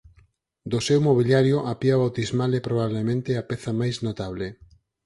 Do seu mobiliario a pía bautismal é probablemente a peza máis notable.